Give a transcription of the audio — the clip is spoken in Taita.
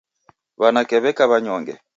W'anake w'eka w'anyonge.